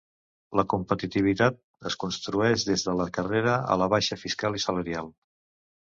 La competitivitat es construeix des de la carrera a la baixa fiscal i salarial.